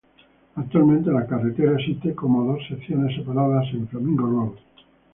Actualmente la carretera existe como dos secciones separadas en Flamingo Road.